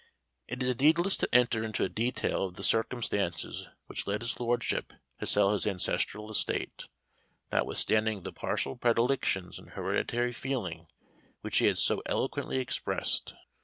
It is needless to enter into a detail of the circumstances which led his Lordship to sell his ancestral estate, notwithstanding the partial predilections and hereditary feeling which he had so eloquently expressed.